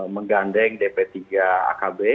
menggandeng dp tiga akb